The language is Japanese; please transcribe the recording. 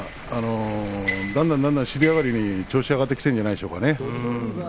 だんだん、尻上がりに調子を上げてきているんじゃないでしょうか。